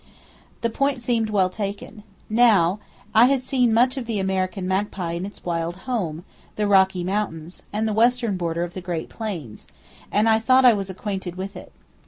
The point seemed well taken. Now, I had seen much of the American [Page 325] magpie in its wild home,—the Rocky Mountains, and the western border of the Great Plains,—and I thought I was acquainted with it.